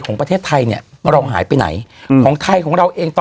ของประเทศไทยนี้เร้องหายไปไหนของไทยของเราเองต่อ